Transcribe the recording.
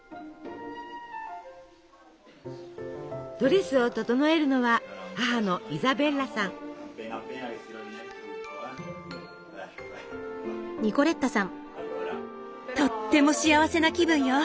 ドレスを整えるのはとっても幸せな気分よ。